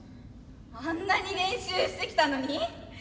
あんなに練習してきたのに？